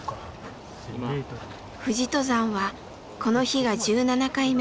富士登山はこの日が１７回目。